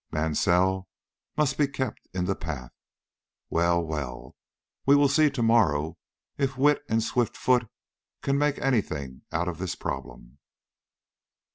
"Mansell must be kept in the path. Well, well, we will see to morrow if wit and a swift foot can make any thing out of this problem."